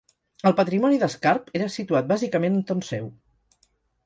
El patrimoni d'Escarp era situat bàsicament entorn seu.